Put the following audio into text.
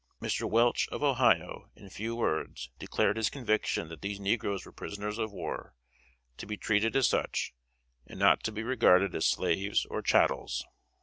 Mr. Welch, of Ohio, in few words, declared his conviction that these negroes were prisoners of war, to be treated as such, and not to be regarded as slaves or chattels.